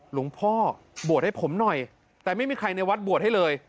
หลวงพ่อบวชให้ผมหน่อยแต่ไม่มีใครในวัดบวชให้เลย